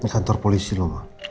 ini kantor polisi loh ma